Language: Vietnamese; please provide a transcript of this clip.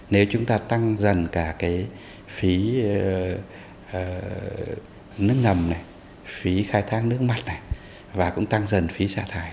nếu chúng ta tăng dần cả cái phí nước ngầm này phí khai thác nước mặt này và cũng tăng dần phí xả thải